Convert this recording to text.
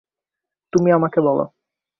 তুমি আমাকে বলো।